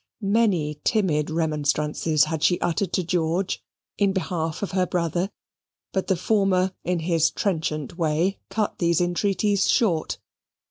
Many timid remonstrances had she uttered to George in behalf of her brother, but the former in his trenchant way cut these entreaties short.